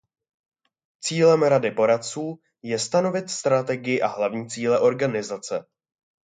Cílem Rady poradců je stanovit strategii a hlavní cíle organizace.